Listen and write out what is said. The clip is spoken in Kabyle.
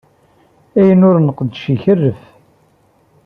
Ayen ur nqeddec ikarref.